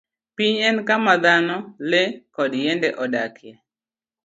Piny en kama dhano, le, kod yiende odakie.